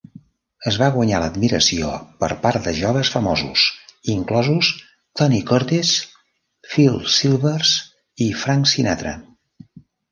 Es va guanyar l'admiració per part de joves famosos, inclosos Tony Curtis, Phil Silvers i Frank Sinatra.